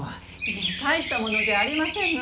いえ大したものじゃありませんのよ。